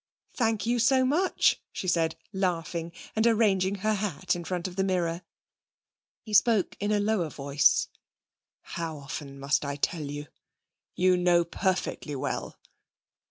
'Thank you so much,' she said, laughing, and arranging her hat in front of the mirror. He spoke in a lower voice: 'How often must I tell you? You know perfectly well.'